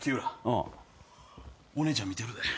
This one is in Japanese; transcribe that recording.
お姉ちゃん見てるで。